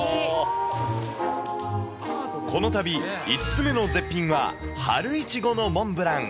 この旅、５つ目の絶品は春いちごのモンブラン。